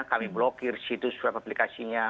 kami blokir situs web aplikasinya